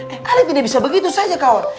eh ali tidak bisa begitu saja kawet